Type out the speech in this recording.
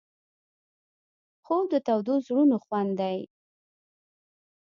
خوب د تودو زړونو خوند دی